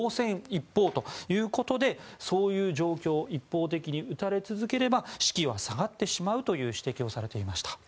一方ということでそういう状況一方的に撃たれ続ければ士気は下がってしまうという指摘をされていました。